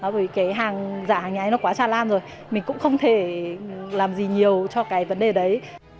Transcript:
vì cái hàng dạng hàng nhái nó quá trà lan rồi mình cũng không thể làm gì nhiều cho cái vấn đề đấy